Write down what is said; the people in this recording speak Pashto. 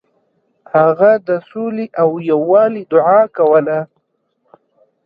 هغه د سولې او یووالي دعا کوله.